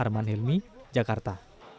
arman hilmi jakarta